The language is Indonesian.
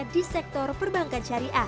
di sektor perbankan syariah